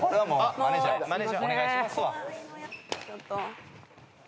マネージャーお願いしますわ。